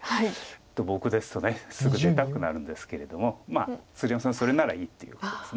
僕ですとすぐ出たくなるんですけれども鶴山さんはそれならいいっていうことです。